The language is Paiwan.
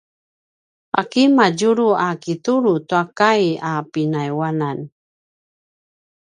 ’aki madjulu a kitulu tua kai a pinayuanan?